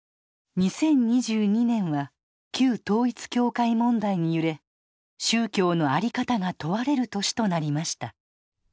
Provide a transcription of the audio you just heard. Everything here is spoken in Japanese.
２０２２年は旧統一教会問題に揺れ宗教のあり方が問われる年となりました。